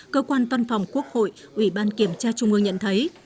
cơ quan văn phòng quốc hội ủy ban kiểm tra trung ương nhận thấy